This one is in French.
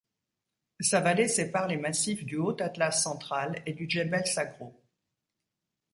Sa vallée sépare les massifs du Haut Atlas central et du djebel Saghro.